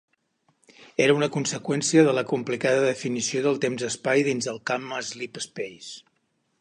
Era una conseqüència de la complicada definició del temps-espai dins el camp "slipspace".